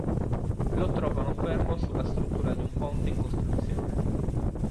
Lo trovano fermo sulla struttura di un ponte in costruzione.